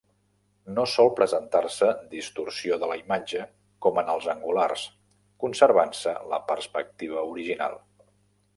No sol presentar-se distorsió de la imatge com en els angulars, conservant-se la perspectiva original.